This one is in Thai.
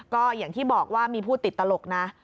ก็อย่างที่บอกว่ามีผู้ติดตลกนะ